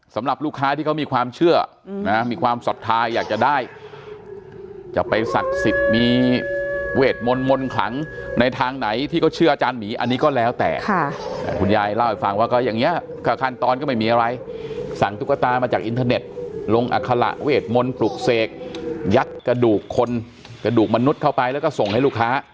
สำหรับลูกค้าที่เขามีความเชื่อนะมีความศรัทธาอยากจะได้จะไปศักดิ์สิทธิ์มีเวทมนต์มนต์ขลังในทางไหนที่เขาเชื่ออาจารย์หมีอันนี้ก็แล้วแต่คุณยายเล่าให้ฟังว่าก็อย่างนี้ก็ขั้นตอนก็ไม่มีอะไรสั่งตุ๊กตามาจากอินเทอร์เน็ตลงอัคละเวทมนต์ปลุกเสกยัดกระดูกคนกระดูกมนุษย์เข้าไปแล้วก็ส่งให้ลูกค้า